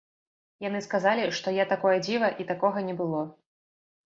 Яны сказалі, што я такое дзіва і такога не было.